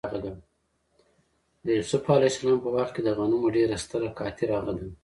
د یوسف ع په وخت کې د غنمو ډېره ستره قحطي راغلې وه.